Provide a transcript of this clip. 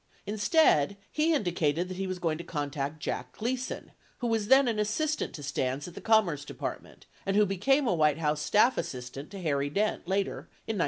Instead, he indi cated that he was going to contact Jack Gleason, who was then an assistant to Stans at the Commerce Department, 36 and who became a White House staff assistant to Harry Dent later in 1969.